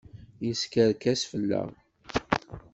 Yeskerkes fell-aɣ.